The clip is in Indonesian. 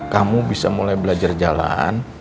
kamu bisa mulai belajar jalan